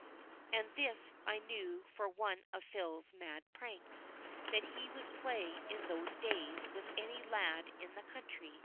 And this I knew for one of Phil's mad pranks, that he would play in those days with any lad in the country.